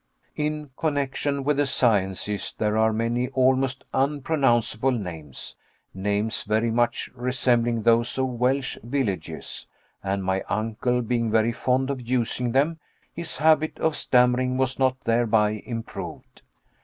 In connection with the sciences there are many almost unpronounceable names names very much resembling those of Welsh villages; and my uncle being very fond of using them, his habit of stammering was not thereby improved.